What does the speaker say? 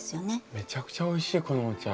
めちゃくちゃおいしいこのお茶。